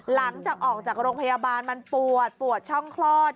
หลังจากออกจากโรงพยาบาลมันปวดปวดช่องคลอด